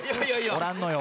おらんのよ